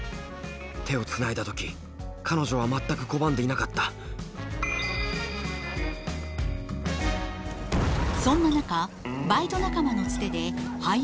手をつないだ時彼女は全く拒んでいなかったそんな中バイト仲間のツテで俳優の仕事を得ますが。